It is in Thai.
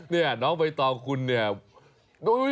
นี่น้องใบตองคุณเนี่ย